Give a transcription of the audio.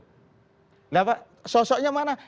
nah pak sosoknya mana